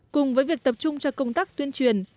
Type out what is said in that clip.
cùng với việc tập trung cho công tác tuyên truyền